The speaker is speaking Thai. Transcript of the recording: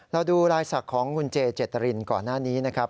เราดูลายศักดิ์ของคุณเจเจตรินก่อนหน้านี้นะครับ